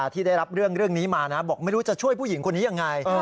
ที่ได้รับเรื่องเรื่องนี้มานะบอกไม่รู้จะช่วยผู้หญิงคนนี้ยังไง